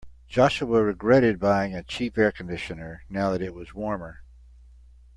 Joshua regretted buying a cheap air conditioner now that it was warmer.